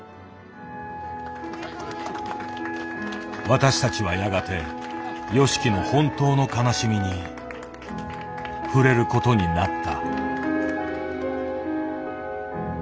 私たちはやがてＹＯＳＨＩＫＩの本当の悲しみに触れることになった。